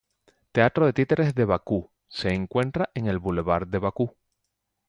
Teatro de títeres de Bakú se encuentra en el Bulevard de Bakú.